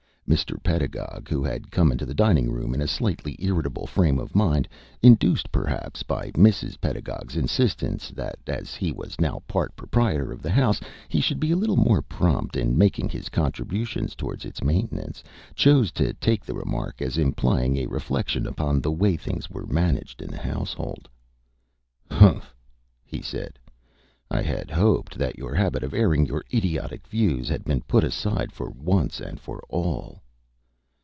Mr. Pedagog, who had come into the dining room in a slightly irritable frame of mind, induced perhaps by Mrs. Pedagog's insistence that as he was now part proprietor of the house he should be a little more prompt in making his contributions towards its maintenance, chose to take the remark as implying a reflection upon the way things were managed in the household. "Humph!" he said. "I had hoped that your habit of airing your idiotic views had been put aside for once and for all."